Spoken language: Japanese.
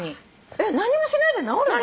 えっ何にもしないで治るの？